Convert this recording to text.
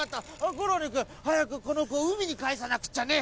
ゴロリくんはやくこのこをうみにかえさなくっちゃね。